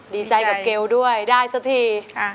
ดีใจกับเกลด้วยได้สักที